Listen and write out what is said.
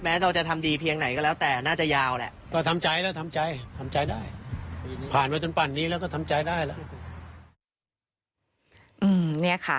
แม้เราจะทำดีเพียงไหนก็แล้วแต่น่าจะยาวแหละ